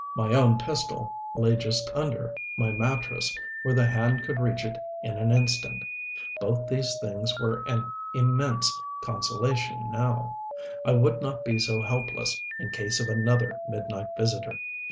My own pistol lay just under my mattress where the hand could reach it in an instant. Both these things were an immense consolation now. I would not be so helpless in case of another midnight visitor.